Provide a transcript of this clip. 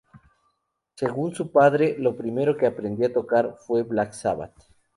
Según su padre, lo primero que aprendió a tocar fue Black Sabbath.